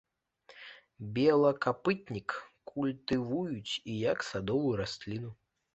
Белакапытнік культывуюць і як садовую расліну.